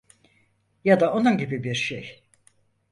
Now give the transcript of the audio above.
Ya da onun gibi bir şey.